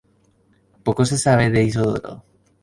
Poco se sabe de Isidoro.